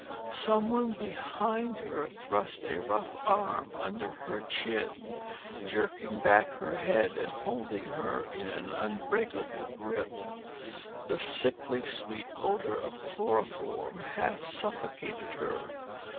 Someone behind her thrust a rough arm under her chin, jerking back her head and holding her in an unbreakable grip. The sickly sweet odor of chloroform half suffocated her.